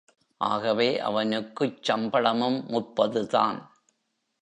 ஆகவே அவனுக்குச் சம்பளமும் முப்பதுதான்!